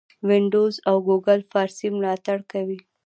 وینډوز او ګوګل فارسي ملاتړ کوي.